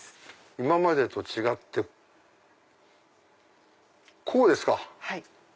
今までと違ってこうですか。